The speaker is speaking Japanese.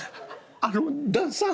あの旦さん」。